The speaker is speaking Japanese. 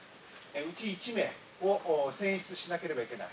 うち１名を選出しなければいけない。